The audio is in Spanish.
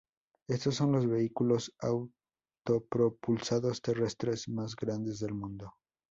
Estos son los vehículos autopropulsados terrestres más grandes del mundo.